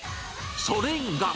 それが。